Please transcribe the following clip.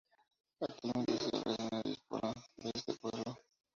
Actualmente se habla de una diáspora de este pueblo.